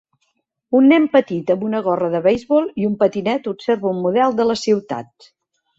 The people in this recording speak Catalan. Un nen petit amb una gorra de beisbol i un patinet observa un model de la ciutat.